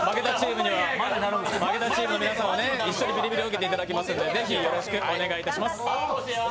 負けたチームの皆さんには一緒にビリビリを受けていただきますので、ぜひ、よろしくお願いいたします。